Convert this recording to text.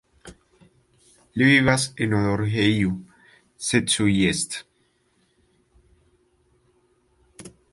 Li vivas en Odorheiu Secuiesc.